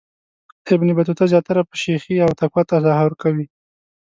ابن بطوطه زیاتره په شیخی او تقوا تظاهر کوي.